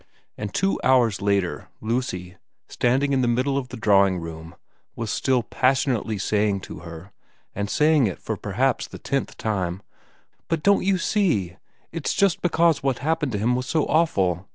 And two hours later Lucy, standing in the middle of the drawing room, was still passionately saying to her, and saying it for perhaps the tenth time, ' But don't you see ? It's just because what happened to him was so awful.